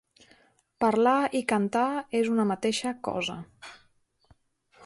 Parlar i cantar és una mateixa cosa.